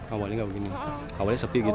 awalnya nggak begini awalnya sepi gitu